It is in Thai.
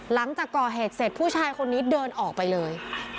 หลังจากก่อเหตุเสร็จผู้ชายคนนี้เดินออกไปเลย